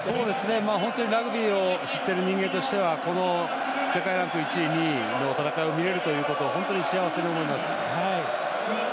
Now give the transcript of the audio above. ラグビーを知っている人間としてはこの世界ランク１位、２位の戦いを見れるというのは本当に幸せに思います。